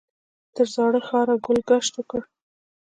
تر زاړه ښاره ګل ګشت وکړ.